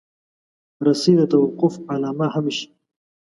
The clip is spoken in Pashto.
رسۍ د توقف علامه هم شي.